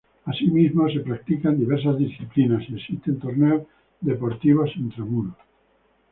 Asimismo, se practican diversas disciplinas y existen torneos deportivos intramuros.